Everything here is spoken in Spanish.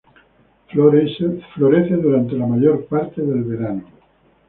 Florece durante la mayor parte del verano.